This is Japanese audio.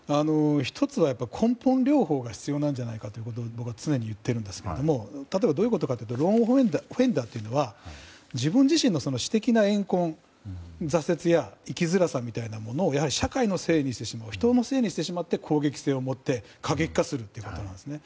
１つは根本療法が必要じゃないかと常に言っていますが例えば、どういうことかというとローン・オフェンダーというのは自分自身の私的な怨恨挫折や生きづらさみたいなものをやはり社会のせいにしてしまう人のせいにしてしまって攻撃性を持って過激化するということですね。